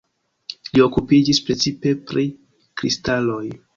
Li okupiĝis precipe pri kristaloj.